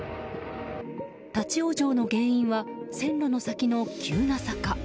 立ち往生の原因は線路の先の急な坂。